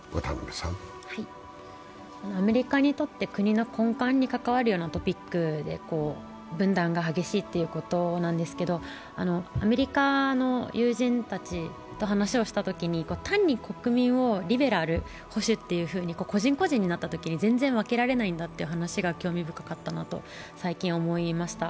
アメリカにとって国の根幹に関わるようなトピックで分断が激しいということなんですけれどもアメリカの友人たちと話をしたときに、単に国民をリベラル、保守というふうに個人個人になったときに全然分けられないんだというのが興味深かったと最近思いました。